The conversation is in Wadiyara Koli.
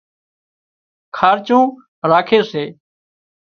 کارچُون راکي سي